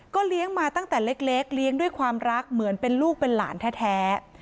เลี้ยงมาตั้งแต่เล็กเลี้ยงด้วยความรักเหมือนเป็นลูกเป็นหลานแท้